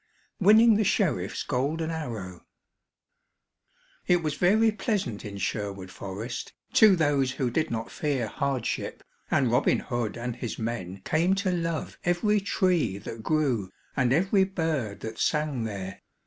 WINNING THE SHERIFF'S GOLDEN ARROW It was very pleasant in Sherwood Forest to those who did not fear hardship, and Robin Hood and his men came to love every tree that grew and every bird that sang there.